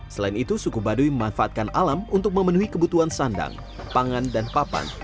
selain itu suku baduy memanfaatkan alam untuk memenuhi kebutuhan sandang pangan dan papan